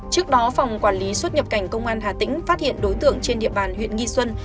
trước đó phòng quản lý xuất nhập cảnh công an hà tĩnh phát hiện đối tượng trên địa bàn huyện nghi xuân